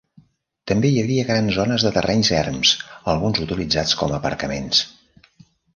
També hi havia grans zones de terrenys erms, alguns utilitzats com a aparcaments.